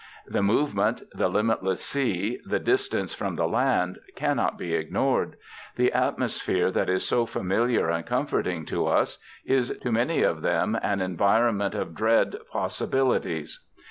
The movement, the limitless sea, the distance from the land, cannot be ignored. The atmosphere that is so familiar and comforting to us, is to many of them an environment of dread possibilities.